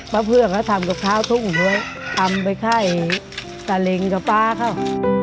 พ่อเพื่อก็ทำกับข้าวทุ่งเว้ยทำไปไข้สลิงกับป๊าเขา